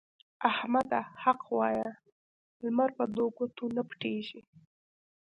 احمده! حق وايه؛ لمر په دوو ګوتو نه پټېږي.